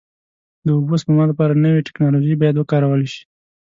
د اوبو سپما لپاره نوې ټکنالوژۍ باید وکارول شي.